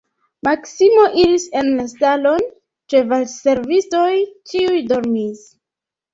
Maksimo iris en la stalon, ĉevalservistoj ĉiuj dormis.